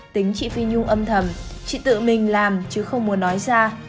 tính trị phi nhung âm thầm chị tự mình làm chứ không muốn nói ra